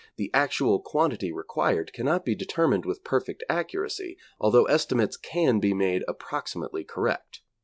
The actual quantity required cannot be determined with perfect accuracy, although estimates can be made approximately correct.